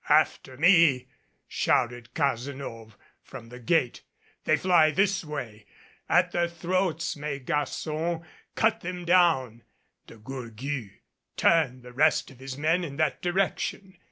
"After me," shouted Cazenove from the gate. "They fly by this way. At their throats, mes garçons, cut them down!" De Gourgues turned the rest of his men in that direction.